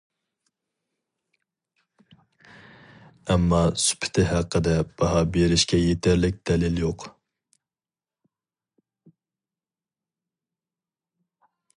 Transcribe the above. ئەمما سۈپىتى ھەققىدە باھا بېرىشكە يېتەرلىك دەلىل يوق.